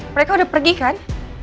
mereka udah pergi kan